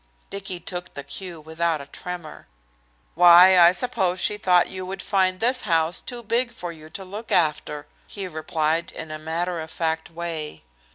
Dicky took the cue without a tremor. "Why, I suppose she thought you would find this house too big for you to look after," he replied in a matter of fact way.